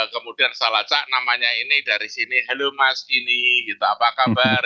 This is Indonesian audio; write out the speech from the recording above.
kemudian salacak namanya ini dari sini halo mas ini gitu apa kabar